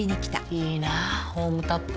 いいなホームタップ。